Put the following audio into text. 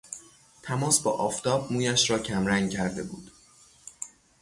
تماس با آفتاب مویش را کمرنگ کرده بود.